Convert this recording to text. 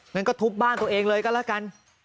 งั้นก็ทุบบ้านตัวเองเลยก็แล้วกัน